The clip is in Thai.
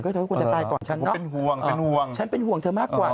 เธอก็ควรจะตายก่อนฉันเนอะเป็นห่วงเป็นห่วงฉันเป็นห่วงเธอมากกว่า